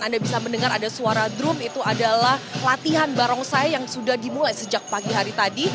anda bisa mendengar ada suara drum itu adalah latihan barongsai yang sudah dimulai sejak pagi hari tadi